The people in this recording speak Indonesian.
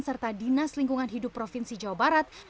serta dinas lingkungan hidup provinsi jawa barat